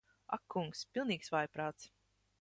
Ak kungs. Pilnīgs vājprāts.